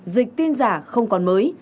dịch tin giả không còn mới